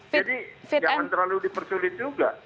jangan terlalu dipersulit juga